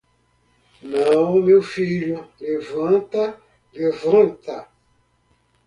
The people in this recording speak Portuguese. Não, meu filho, levanta, levanta!